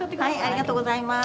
ありがとうございます。